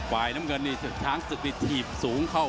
วายน้ำเงินช้างสึกถีบสูงเข้า